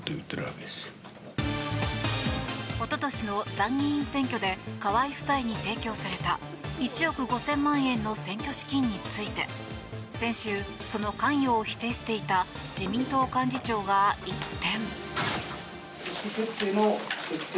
おととしの参議院選挙で河井夫妻に提供された１億５０００万円の選挙資金について先週、その関与を否定していた自民党幹事長が一転。